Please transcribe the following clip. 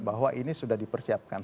bahwa ini sudah dipersiapkan